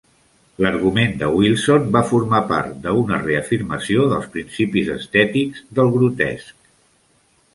L'argument de Wilson va formar part de una reafirmació dels principis estètics del grotesc.